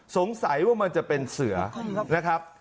สงสัยว่ามันจะเป็นเสือนะครับ